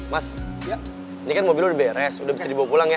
mas ini kan mobil udah beres udah bisa dibawa pulang ya